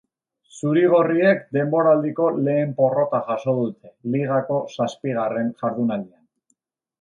Zuri-gorriek denboraldiko lehen porrota jaso dute, ligako zazpigarren jardunaldian.